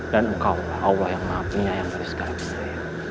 dan engkau allah yang maafinya yang dari segala kebenaran